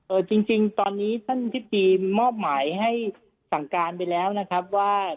จริงจริงตอนนี้ท่านทิบดีมอบหมายให้สั่งการไปแล้วนะครับว่า